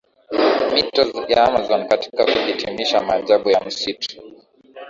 mito ya Amazon Katika kuhitimisha maajabu ya msitu